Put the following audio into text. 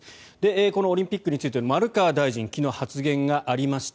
このオリンピックについて丸川大臣、昨日発言がありました。